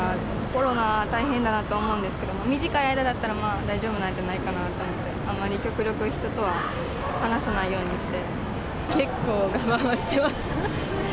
コロナ大変だなと思うんですけれども、短い間だったら、まあ、大丈夫なんじゃないかなと思って、あんまり極力、結構、我慢はしてました。